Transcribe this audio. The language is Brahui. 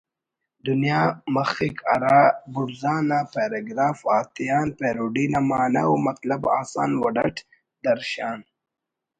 دنیا مخک'' بڑزا نا پیراگراف آتیان پیروڈی نا معنہ و مطلب آسان وڑ اٹ درشان